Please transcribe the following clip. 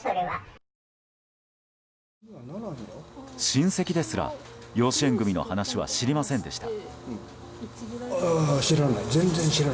親戚ですら養子縁組の話は知りませんでした。